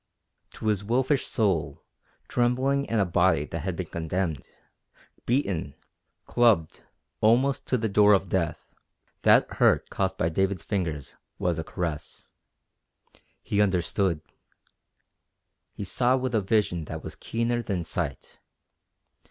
To his wolfish soul, trembling in a body that had been condemned, beaten, clubbed almost to the door of death, that hurt caused by David's fingers was a caress. He understood. He saw with a vision that was keener than sight.